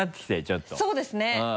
ちょっとそうですね。